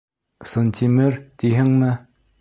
Сынтиме-ер тиһеңме-е?..